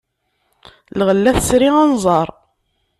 Lɣella tesri anẓar.